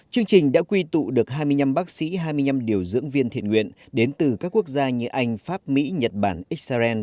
chương trình đã quy tụ được hai mươi năm bác sĩ hai mươi năm điều dưỡng viên thiện nguyện đến từ các quốc gia như anh pháp mỹ nhật bản israel